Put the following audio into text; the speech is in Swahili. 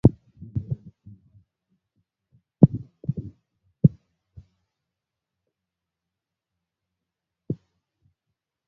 Mawaziri na wataalamu wa kiufundi watafanya kazi kwa kasi kuhakikisha jamuhuri ya kidemokrasia ya Kongo inaunganishwa kwenye vyombo vya umoja wa inchi za Afrika